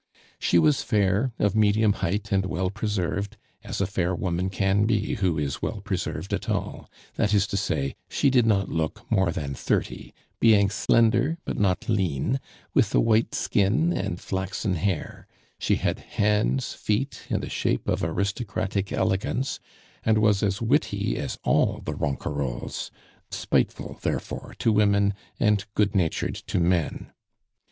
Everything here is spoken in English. She was fair, of medium height, and well preserved, as a fair woman can be who is well preserved at all; that is to say, she did not look more than thirty, being slender, but not lean, with a white skin and flaxen hair; she had hands, feet, and a shape of aristocratic elegance, and was as witty as all the Ronquerolles, spiteful, therefore, to women, and good natured to men.